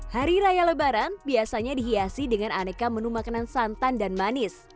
hari raya lebaran biasanya dihiasi dengan aneka menu makanan santan dan manis